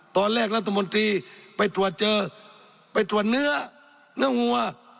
รัฐมนตรีไปตรวจเจอไปตรวจเนื้อเนื้อวัว